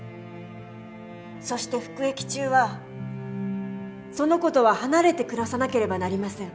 そして服役中はその子とは離れて暮らさなければなりません。